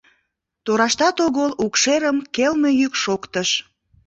Тораштат огыл укшерым келме йӱк шоктыш.